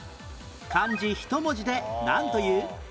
漢字１文字でなんという？